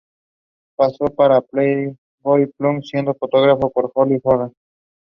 In order to organize all tennis activities in the country.